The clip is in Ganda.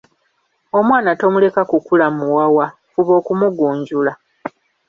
Omwana tomuleka kukula muwawa, fuba okumugunjula.